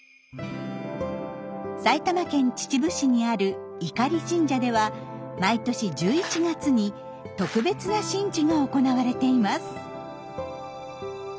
埼玉県秩父市にある猪狩神社では毎年１１月に特別な神事が行われています。